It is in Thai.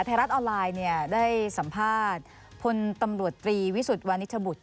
ไทยรัฐออนไลน์เนี่ยได้สัมภาษณ์พลตำรวจตรีวิสุทธิ์วานิชบุตร